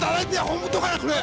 ほんとかなこれ。